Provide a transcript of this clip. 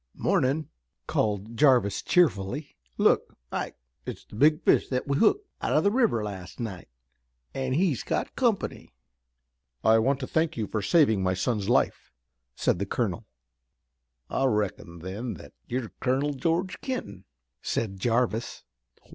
"Mornin'," called Jarvis cheerfully. "Look, Ike, it's the big fish that we hooked out of the river last night, an' he's got company." "I want to thank you for saving my son's life," said the Colonel. "I reckon, then, that you're Colonel George Kenton," said Jarvis.